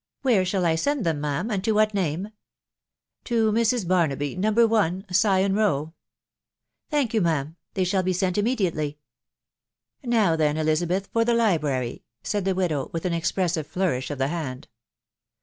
€C Where shall I send them, ma'am, and to iwhat Aame ?"« To. Mr*. Barnaby, No. 1. Sion Row." (C Thank you, ma'am. .•. They shall be sent immediately."' " Now then, Elizabeth, lor the horary," said the widow with an expressive flourish of the hand.